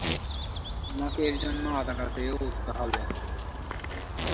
তোমাকে এরজন্য আদালতেও উঠতে হবে।